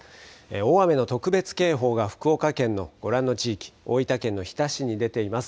大雨の特別警報が福岡県のご覧の地域、大分県の日田市に出ています。